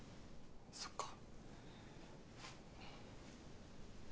そっか。